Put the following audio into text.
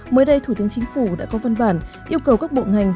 mới đây thủ tướng chính phủ đã có văn bản yêu cầu các bộ ngành